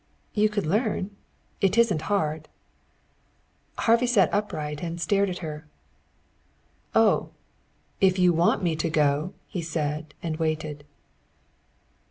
"You could learn. It isn't hard." Harvey sat upright and stared at her. "Oh, if you want me to go " he said, and waited.